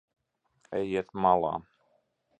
Ejiet malā.